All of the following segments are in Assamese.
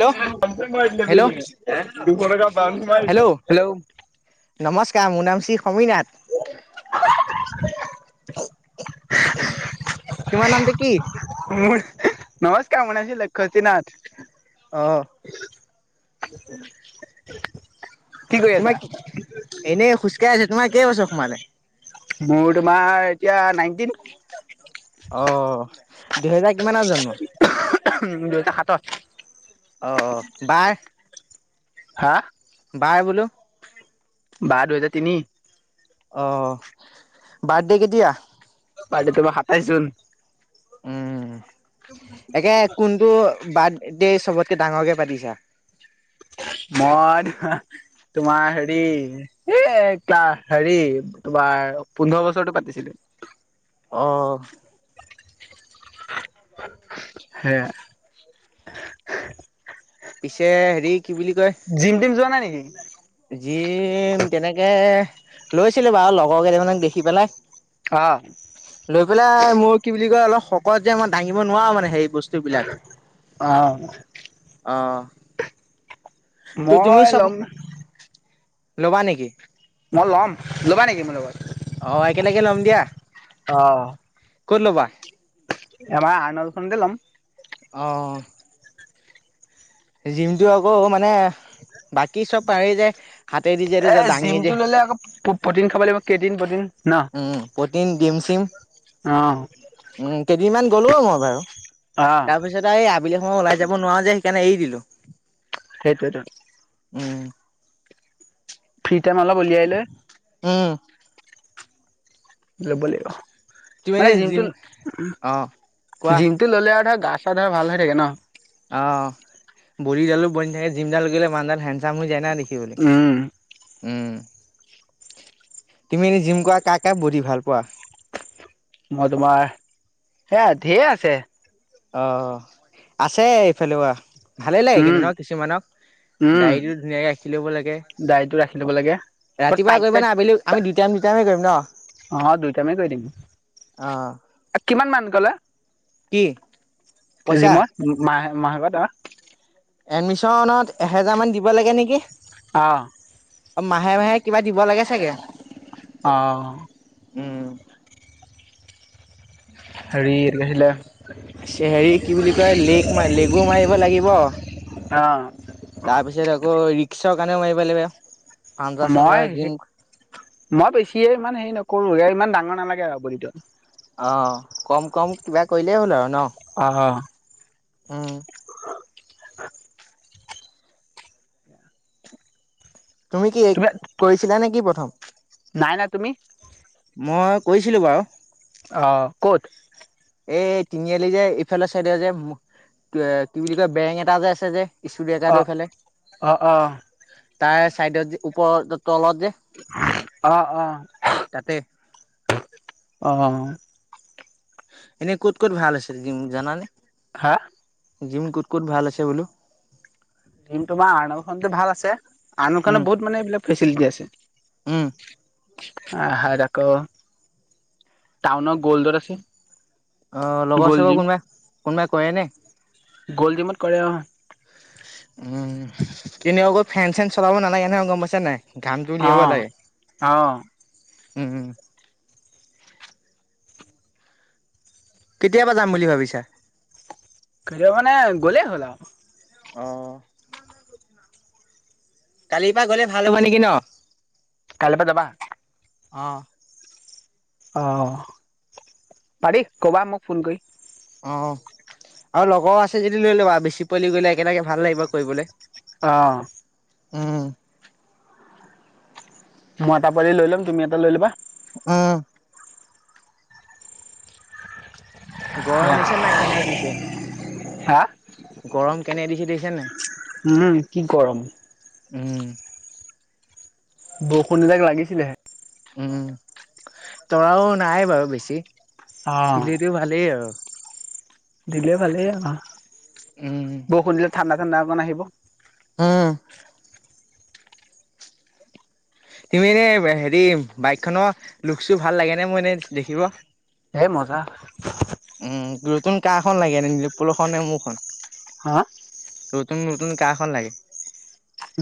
হেল্ল' হেল্ল' হেল্ল' হেল্লো নমস্কাৰ মোৰ নাম শ্ৰী সমীনাথ তোমাৰ নামটো কি মোৰ নমস্কাৰ মোৰ নাম শ্ৰী আছিল লক্ষজোতি নাথ অ স [unintelligible] তোমাৰ এনেই খোজকাঢ়ি আছে তোমাৰ কেই বছৰ সোমালে মোৰ তোমাৰ এতিয়া নাইনটিন অ দুহেজাৰ কিমানৰ জন্ম উম দুহেজাৰ সাতত অ অ বাৰ হা বাৰ বোলো বাৰ দুহেজাৰ তিনি অহ, বাৰ্থডে কেতিয়া? বাৰ্ডে তোমাৰ সাতাইশ জুন। উম। [unintelligible] একে কোনটো বাৰ্থডে চবতকে ডাঙৰকে পাতিছা? মই, তোমাৰ হেৰি এ ক্লা হেৰি তোমাৰ পোন্ধৰ বছৰৰতো পাতিছিলোঁ। অহ। [unintelligible] সেয়া। পিছে হেৰি কি বুলি কয় জিম-টিম যোৱা নাই নেকি? জিম তেনেকে লৈছিলো বাৰু লগৰ কেইটামানক দেখি পেলাই। অহ। লৈ পেলাই মোৰ কি বুলি কয়, অলপ শকত যে মই দাঙিব নোৱাৰো মানে হেৰি বস্তুবিলাক অ অহ। মই ল'ম ল'বা নেকি? মই ল'ম। ল'বা নেকি মোৰ লগত? অহ, একেলগে লম দিয়া। অ ক'ত ল'বা? আমাৰ আৰ্ণলখনতে ল'ম। অহ। জিমটো আকৌ মানে, বাকী চব পাৰেই যে হাতেদি যে এইটো এ যে দাঙি যে [unintelligible] প্ৰটিন খাব লাগিব, ক্ৰেটিন, প্ৰটিন ন'। উম, প্ৰটিন ডিম-চিম। অহ। উম, কেইদিনমান গ'লোও মই বাৰু। অহ। তাৰপিছত আৰু আবেলি সময়ত ওলাই যাব নোৱাৰো যে, সেইকাৰণে এৰি দিলোঁ। সেইটোৱেতো। উম। ফ্ৰী টাইম অলপ উলিয়ায় লৈ উম। ল'ব লাগিব। তুমি মানে, এনে জিমটো জিম উম অ' কোৱা জিম টো ল'লে আৰু গা চা ধৰ ভাল হৈ থাকে ন'। অ' বদিডালো বনি থাকে জিমডাল গ'লে মানুহডাল হেনচাম হৈ যায় না দেখিবলে। উম উম, তুমি এনেই জিম কৰা কাক কাক বদি ভাল পোৱা? মই তোমাৰ, সেইয়া ধেৰ আছে। অহ, আছে এইফালেও আছে, ভালেই লাগে উম কিন্তু ন' কিছুমানক। উম ডাইৰীটো ধুনীয়াকে ৰাখি ল'ব লাগে। দাড়ীটো ৰাখি ল'ব লাগে আকৌ ৰাতিপুৱা টাইট টাইট কৰিবানে আবেলি আমি দুই টাইম দুই টাইমে কৰিম ন'। অহ, দুই টাইমে কৰি দিম। অহ, কিমান মান কলে কি? পইচা? জিমত মা-মাহকত ধৰক। এডমিশনত এহেজাৰ মান দিব লাগে নেকি। অ'। অ' মাহে মাহে কিবা দিব লাগে চাগে? অ'। উম। হেৰি এইটো কি আছিলে? চে হেৰি কি বুলি কয় লেগ ম লেগু মাৰিব লাগিব। অ'। তাৰপিছত আকৌ ৰিক্সৰ কাৰণেও মাৰিবা লাগিব। পাঞ্জা চাঞ্জা মই হে জিম মই বেছিয়ে ইমান হেৰি নকৰো ইমান ডাঙৰ নালাগে আৰু বদিটো। অ', কম কম কিবা কৰিলে হ'ল আৰু ন, অ উম। তুমি কি কৰিছিলা নে কি প্ৰথম? নাই নাই, তুমি? মই কৰিছিলোঁ বাৰু। অ' ক'ত? এই তিনিআলি যে ইফালে চাইদৰ যে উম কে কি বুলি কয় বেংক এটা যে আছে যে। স্পিড অ ব্ৰেকাৰটোৰ এইফালে, অ অ তাৰে চাইডত যে ওপৰত ত তলত যে। অ' অ'। তাতে। অ'। এনেই ক'ত ক'ত ভাল আছিল জিম জানানে? হা? জিম ক'ত ক'ত ভাল আছে বোলো? জিম তোমাৰ আৰ্নল্ডখন ভাল আছে, আৰ্নল্ডখন উম বহুত মানে এইবিলাক ফেচিলিটি আছে। উম। আহাত আকৌ টাউনৰ গল্ডত আছে। অ, লগৰ - গ'ল্ড চগৰ জিম কোনোবা কোনোবাই কৰে নে? গল্ড জিমত কৰে অ। উম কিন্তু আকৌ ফেন - চেন চলাব নালাগে নহয় গম পাইছা নাই? ঘামটো অ উলিয়াব লাগে অ উম। কেতিয়াবা যাম বুলি ভাবিছা? কেতিয়া মানে গ'লেই হ'ল আৰু। অ। কালিৰ পৰা গলে ভাল হ'ব নেকি ন? কাইলে পা যাবা? অঁ। অঁহ, পাৰি ক'বা মোক ফোন কৰি? অ আৰু লগৰ আছে যদি লৈ ল'বা বেছি পোৱালি গলে একেলগে ভাল লাগিব কৰিবলৈ। অ। উম। মই এটা পোৱালি লৈ লম, তুমি এটা লৈ ল'বা। উম। গৰম দিছে নাই কেনে দিছে? হা গৰম কেনে দিছে দেখিছা নাই? উম কি গৰম? উম। বৰষুন এজাক লাগিছেলেহে। উম', তৰাও নাই বাৰু বেছি অ দিলেটো ভালেই আৰু দিলে। ভালেই আ, উম', বৰষুনণ দিলে ঠাণ্ডা ঠাণ্ডা অকমান আহিব। উম', তুমি এনে হেৰি বাইক খনৰ লুকচটো ভাল লাগে নে, মোৰ এনে দেখিব? এই মজা উম', নতুন কাৰখন লাগে নিলোপ্পলখন নে মোৰখন? হা নতুন নতুন কাৰ খন লাগে?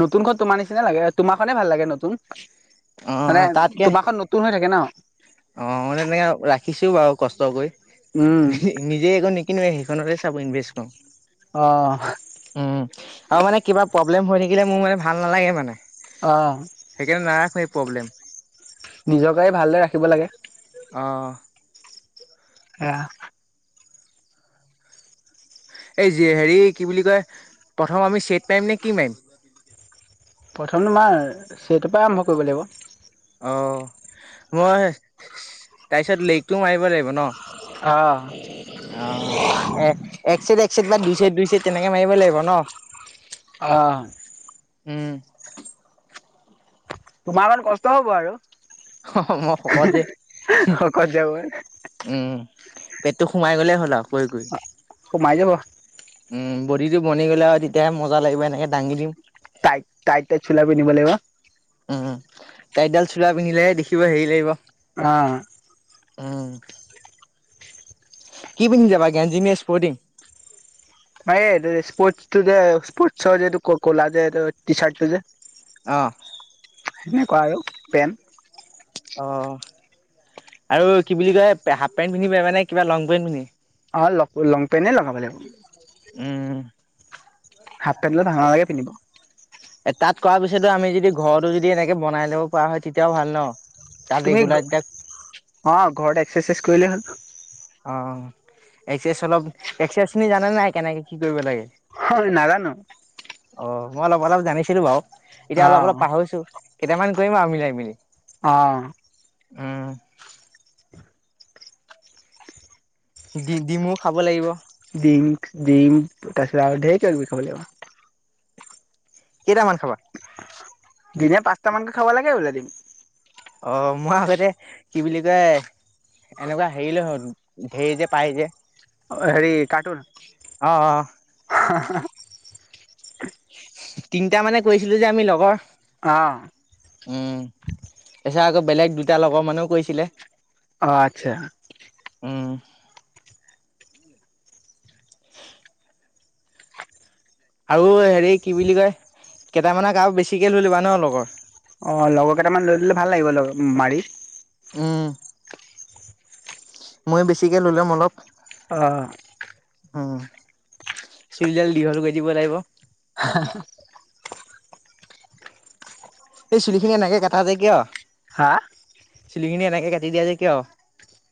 নতুনখন তোমাৰ নিচিনা লাগে। তোমাৰখনে ভাল লাগে, নতুন মানে অ' তাতকে তোমাৰখন নত তুন হৈ থাকে ন? অ', মানে মই তেনেকে ৰাখিছোও বাৰু কষ্ট কৰি উম', নিজে একো নিকিনোৱে সেইখনতে চাব ইনভেষ্ট কৰো। অ', উম', আৰু মানে কিবা প্ৰব্লেম হৈ থাকিলে, মোৰ মানে ভাল নালাগে মানে অ', সেইকাৰণে নাৰাখোৱে প্ৰব্লেম নিজৰ গাড়ী ভালদৰে ৰাখিব লাগে। অ', সেয়া এই হেৰি কি বুলি কয়। প্ৰথম আমি চেট মাৰিম নে কি মাৰিম। প্ৰথম মাৰ চেটৰ পা আৰম্ভ কৰিব লাগিব। অ', মই তাৰিত লেকটো মাৰিব লাগিব ন। অ', অ', এ', এক চড এক চছেড বা দুই চছেড দুই চছেট তেনেকে মাৰিব লাগিব ন। অ', উম', তোমাৰ অণ কষ্ট হব আৰু উম মই শকত যে শকত যাব। উম', পেটটো সোমাই গ'লেই হ'ল আৰু কৰি কৰি। সোমাই যাব উম', বডি টো বনি গ'লে আৰু তেতিয়াহে মজা লাগিব এনেকে দাঙি দিম। টাইত টাইত চোলা লাগিব। উম', তাইৰতডাল চলা পিন্ধিলেহে দেখিব হেৰি লাগিব। অ', উম', কি পন্ধ যাবা গজ্ঞি নে স্পৰ্টং। [unintelligible] স্পৰ্ট তটো যে স্পৰ্ট চ যে ক'লা যে টি চাৰট তটো যে অ', সেনেকুৱা আৰু পেনট। অ', আৰু কি বুলি কয় হাফ পেণ্ট পিন্ধি পাৰিবা নে কিবা লং পেণ্ট পিন্ধি অ', লং পেণ্টে লগাব লাগিব। উম', হাফ পেণ্ট দাল ভাল নালাগে পিন্ধিব। এ, তাত কৰা পিছতো যদি ঘৰতো এনেকে বনাই ল'ব পৰা হয় তেতিয়াও ভাল ন'। তাত তুমি ৰেগুলাৰ তাক অ', ঘৰত এক্সাৰচাইজ কৰিলেই হ'ল। অ, এক্সাৰচাইজ অলপ এক্সাৰচাইজ খিনি জানে নাই কেনেকে কি কৰিব লাগে? হয়, নাজানো। অ', মই অলপ অলপ জানিছিলো বাৰু এতিয়া অ অলপ অলপ পাহৰিছো। কেইটামান কৰিম আৰু মিলাই মিলি। অ'। উম। ডি-ডিমু খাব লাগিব। ডিম ডিম তাৰপিছত আৰু ধেৰ কিবা কিবি খাব লাগিব। কেইটামান খাবা? দিনে পাঁচটামানকৈ খাব লাগে বোলে দিম। অ', মই আগতে কি বুলি কয়। এনেকুৱা হেৰি কৈ আহোঁ ঢেৰ যে পায় যে। অ', হেৰি কাৰ্টুন? অ অ তিনটা মানে কৰিছিলো যে আমি লগৰ। অ'। উম, তাৰছত আকৌ বেলেগ দুটা লগৰ মানেও কৈছিলে। অ', আচ্ছা। উম। আৰু হেৰি কি বুলি কয় কেইটামানক আৰু আৰু বেছিকে লৈ ল'বা ন' লগৰ। অ', লগৰ কেইটামান লৈ ল'লে ভাল লাগিব মাৰি। উম। ময়ো বেছিকে লৈ ল'ম অলপ। অ'। উম, চুলিডাল দীঘল কৰি দিব লাগিব। [inaudible] এই চুলি খিনি এনেকে কাটা যে কিয়? হা? চুলিখিনি এনেকে কাটি দিয়া যে কিয়?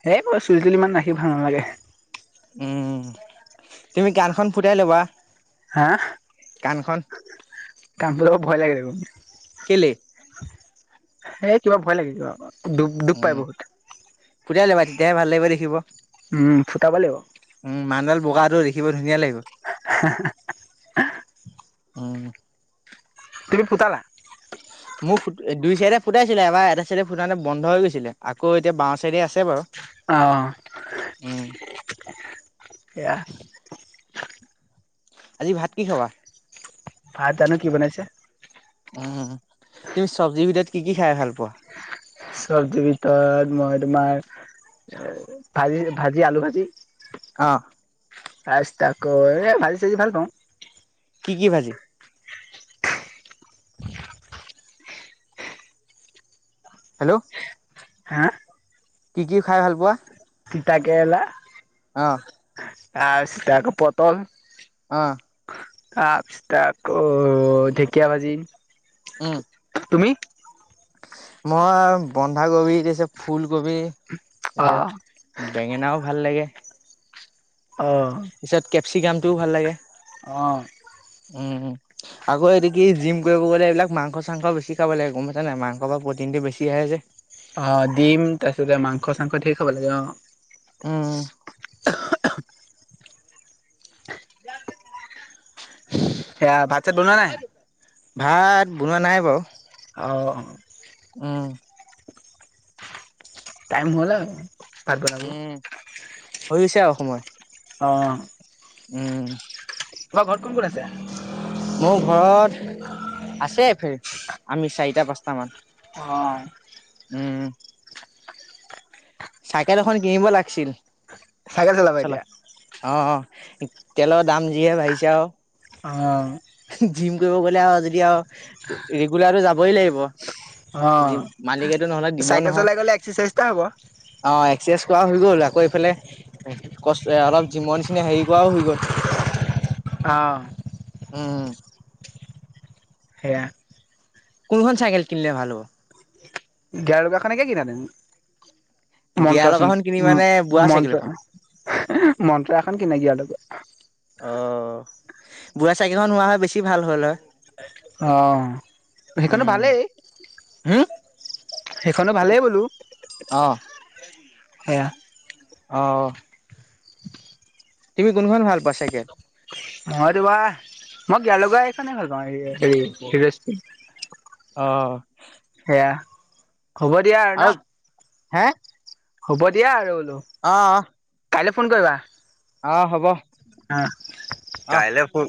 হেই মই চুলি-তুলি ৰাখি ইমান ভাল নালাগে। উম, তুমি কাণখন ফুটাই ল'বা। হা? কাণখন। কান ফুটাব ভয় লাগে দেখোন। কেলে? সেই কিবা ভয় লাগে কিবা দু-দুখ পাই উম। বহুত। ফুটাই ল'বা তেতিয়াহে ভাল লাগিব দেখিব। উম, ফুটাব লাগিব। উম, মানুহডাল বগাটো দেখিব ধুনীয়া লাগিব। [inaudible] উম। তুমি ফুটালা? মোৰ ফু দুই চাইডে ফুটাইছিলে এবাৰ এটা চাইডে ফুটাতে বন্ধ হৈ গৈছিলে আকৌ এতিয়া বাওঁ চাইডে আছে বাৰু। অ উম [unintelligible] এয়া আজি ভাত কি খাবা ভাত জানো কি বনাইছে উম, তুমি চব্জিৰ ভিতৰত কি কি খাই ভাল পোৱা? চব্জিৰ ভিতৰত মই তোমাৰ ভাজি ভাজি আলু ভাজি অ আচ তাকৌ এ ভাজি সাজি ভাল পাওঁ কি কি ভাজি হেল্ল' হা কি কি খাই ভাল পোৱা তিতা কেৰেলা অ আ ষ্টকো পতল অ', তাৰ পি অ ঢেকীয়া ভাজি উম তুমি মই বন্ধাকবি তাৰপিছত ফুলকবি অ তাৰপিছত বেঙেনাও ভাল লাগে। অ তাৰপিছত কেপচিগামটোও ভাল লাগে। অ উম আকৌ এইদিকে জিম কৰিব গ'লে এইবিলাক মাংস মাংস বেছি খাব লাগে গম পাইছা নাই মাংস পৰা প্ৰটিনটো বেছি আহে যে অ ডিম তাৰপিছতে মাংস চাংস ঢেৰ খাব লাগে অ উম সেয়া ভাত চাত বনোৱা নাই ভাত বনোৱা নাই বাৰু অ অ উম টাইম হ'ল আৰু ভাত বনাব উম হৈছে আও সময় অ উম তোমাৰ ঘৰত কোন কোন আছে মোৰ ঘৰত আছে ফেইট চাৰিটা পাঁচটা মান অ উম চাইকেল এখন কিনিব লাগছিল চাইকেল চলাবা এতিয়া অ অ তেলৰ দাম যিহে বাঢ়িছে আও অ জিম কৰিব গ'লে আও যদি আও ৰেগুলাৰটো যাবই লাগিব অ দিম মালিকে টো নহ'লে দিব চাইকেল নহয়। চলাই গ'লে এক্সাৰচাইজ এটা হ'ব অ এক্সাৰচাইজ কৰা হৈ গ'ল আকৌ এইফালে কষ্ট অলপ জিমন নিচিনে হেৰি কৰাও হৈ গ'ল। অ। উম। সেয়া। কোনখন চাইকেল কিনিলে ভাল হ'ব? গিয়া লগাখনকে কিনা তেনন্তে। গিয়াৰ মন্ত্ৰচন লগাখন কিনিবা নে বুঢ়া চাইকেল এখন? মন্ত্ৰ মন্ত্ৰ এখন কিনা গিয়া লগোৱা। অঁ বুঢ়া চাইকেল খন হোৱা হয় বেছি ভাল হ'ল হয়। অ হেইখনো উম, ভালেই। হম হেইখনো ভালেই বোলোঁ। অ', সেয়া। অ। তুমি কোনখন ভাল পোৱা চাইকেল? মই তোমাৰ মই গিয় লগা এইখনে ভাল পাওঁ হেৰ হিৰ ইষ্টেন। অ। সেয়া হ'ব দিয়া আৰু ন। হে। হ'ব দিয়া আৰু বোলো। অ। কাইলৈ ফোন কৰিবা। অ হ'ব। অহ অ'। কাইলৈ ফোন।